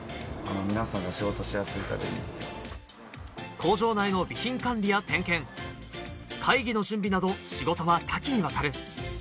工場内の備品管理や点検、会議の準備など、仕事は多岐にわたる。